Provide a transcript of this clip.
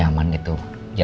oke kita makan dulu ya